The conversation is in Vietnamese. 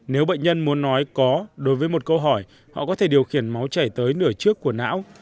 nếu bệnh nhân muốn nói có đối với một câu hỏi họ có thể điều khiển máu chảy tới nửa trước của não